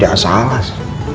tidak salah sih